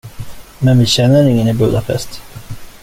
Men vi känner ingen i Budapest.